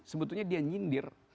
sebetulnya dia nyindir